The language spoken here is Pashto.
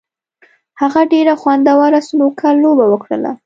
هغه ډېره خوندوره سنوکر لوبه وکړله.